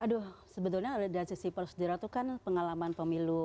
aduh sebetulnya dari sisi prosedural itu kan pengalaman pemilu